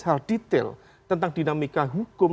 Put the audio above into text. hal detail tentang dinamika hukum